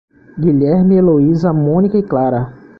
Guilherme, Eloísa, Mônica e Clara